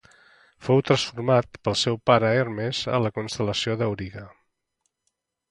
Fou transformat pel seu pare Hermes en la constel·lació de l'Auriga.